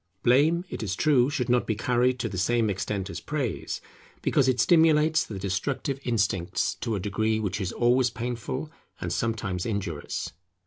Blame, it is true, should not be carried to the same extent as praise, because it stimulates the destructive instincts to a degree which is always painful and sometimes injurious.